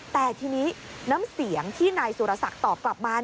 แต่ทีนี้น้ำเสียงที่นายสุรศักดิ์ตอบกลับมา